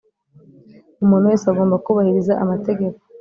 umuntu wese agomba kubahiriza amategeko